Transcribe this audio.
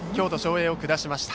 英を下しました。